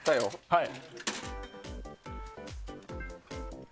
はい。